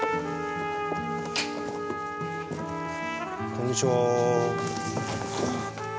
こんにちは。